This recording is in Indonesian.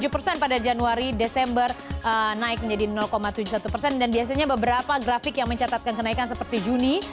tujuh persen pada januari desember naik menjadi tujuh puluh satu persen dan biasanya beberapa grafik yang mencatatkan kenaikan seperti juni